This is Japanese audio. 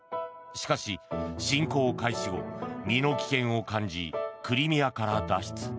しかし、侵攻開始後身の危険を感じクリミアから脱出。